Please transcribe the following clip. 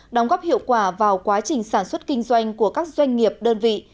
đóng góp hiệu quả vào quá trình sản xuất kinh doanh của các doanh nghiệp đơn vị